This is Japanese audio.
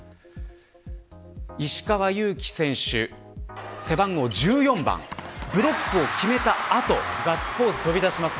石川祐希選手背番号１４番ブロックを決めた後ガッツポーズが飛び出します。